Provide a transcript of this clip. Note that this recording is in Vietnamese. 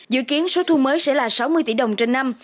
dự kiến số thu mới sẽ là sáu mươi tỷ đồng trên năm